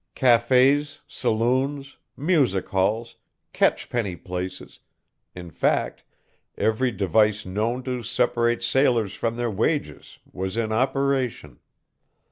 Cafés, saloons, music halls, catch penny places in fact, every device known to separate sailors from their wages was in operation.